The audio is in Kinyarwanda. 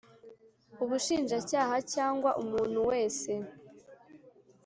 ubushinjacyaha cyangwa umuntu wese